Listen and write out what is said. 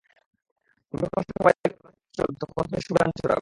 তুমি যখন সবাইকে ভালোবেসে পথ চলবে, তখন তুমি সুঘ্রাণ ছড়াবে।